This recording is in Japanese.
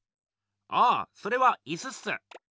ああそれは椅子っす。